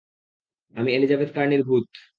আমি এলিজাবেথ কার্নির ভূত!